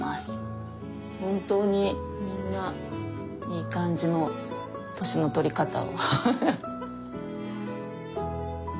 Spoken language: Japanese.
本当にみんないい感じの年の取り方をフフフ。